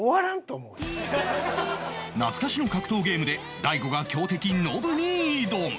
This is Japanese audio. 懐かしの格闘ゲームで大悟が強敵ノブに挑む